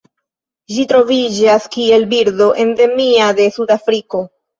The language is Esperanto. Ĝi troviĝas kiel birdo endemia de Sudafriko.